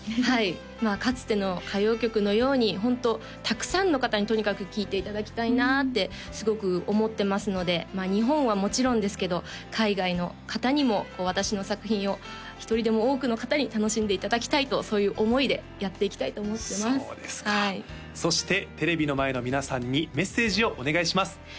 はいまあかつての歌謡曲のようにホントたくさんの方にとにかく聴いていただきたいなってすごく思ってますのでまあ日本はもちろんですけど海外の方にも私の作品を一人でも多くの方に楽しんでいただきたいとそういう思いでやっていきたいと思ってますそうですかそしてテレビの前の皆さんにメッセージをお願いします